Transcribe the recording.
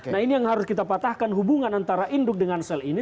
nah ini yang harus kita patahkan hubungan antara induk dengan sel ini